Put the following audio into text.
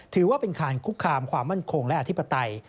ถือว่าเป็นการคุกคามความมั่นคงและอธิปไตย